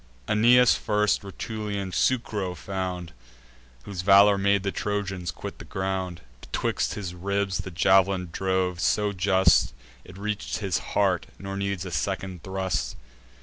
Aeneas first Rutulian Sucro found, Whose valour made the Trojans quit their ground; Betwixt his ribs the jav'lin drove so just, It reach'd his heart, nor needs a second thrust.